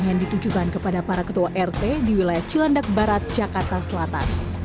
yang ditujukan kepada para ketua rt di wilayah cilandak barat jakarta selatan